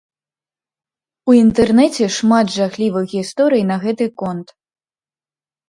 У інтэрнэце шмат жахлівых гісторый на гэты конт.